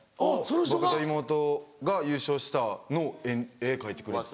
僕と妹が優勝したのを絵描いてくれてて。